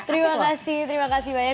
terima kasih terima kasih banyak